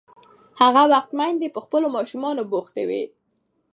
هغه وخت میندې په خپلو ماشومانو بوختې وې.